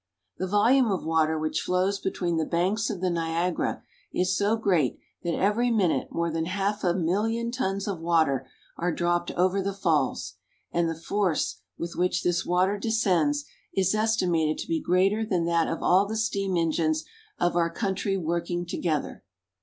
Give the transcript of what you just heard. The volume of water which flows between the banks of the Niagara is so great that every minute more than half a million tons of water are dropped over the falls ; and the force with which this water descends is estimated to be greater than that of all the steam engines of our country working together.